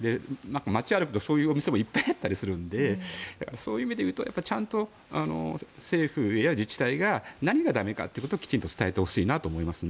街を歩くとそういうお店もいっぱいあったりするのでそういう意味でいうとちゃんと政府や自治体が何が駄目かということをきちんと伝えてほしいなと思います。